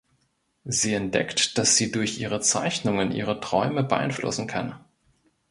Sie entdeckt, dass sie durch ihre Zeichnungen ihre Träume beeinflussen kann.